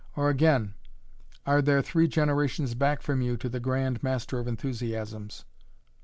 Or, again, are there three generations back from you to the grand master of enthusiasms?